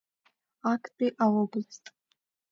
Актәи аобласт…